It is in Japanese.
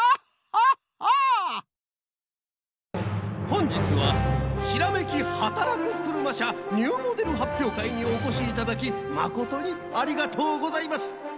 ほんじつはひらめきはたらくクルマ社ニューモデルはっぴょうかいにおこしいただきまことにありがとうございます。